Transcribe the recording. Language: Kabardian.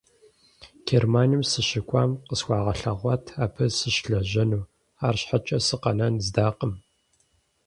Германием сыщыкӀуам къысхуагъэлъэгъуат абы сыщылэжьэну, арщхьэкӀэ сыкъэнэн здакъым.